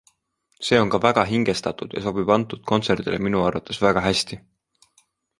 See on ka väga hingestatud ja sobib antud kontserdile minu arvates väga hästi.